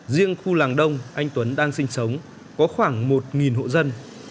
riêng khu làng đông anh tuấn đang sinh sống có khoảng một hộ dân